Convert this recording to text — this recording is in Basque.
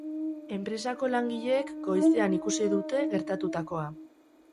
Enpresako langileek goizean ikusi dute gertatutakoa.